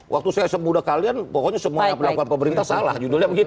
waktu saya semudah kalian pokoknya semua yang dilakukan pemerintah salah judulnya begitu